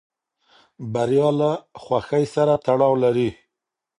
بریا له خوښۍ سره تړاو لري.